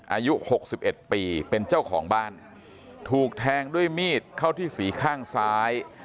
อายุหกสิบเอ็ดปีเป็นเจ้าของบ้านถูกแทงด้วยมีดเข้าที่สีข้างซ้าย